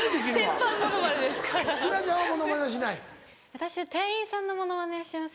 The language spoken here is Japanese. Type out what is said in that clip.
私店員さんのモノマネします。